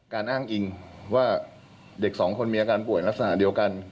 อ้างอิงว่าเด็กสองคนมีอาการป่วยลักษณะเดียวกัน